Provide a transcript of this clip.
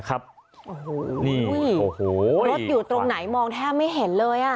รถอยู่ตรงไหนมองแทบไม่เห็นเลย